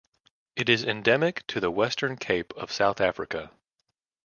It is endemic to the Western Cape of South Africa.